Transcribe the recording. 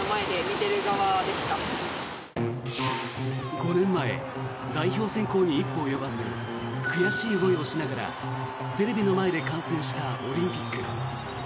５年前、代表選考に一歩及ばず悔しい思いをしながらテレビの前で観戦したオリンピック。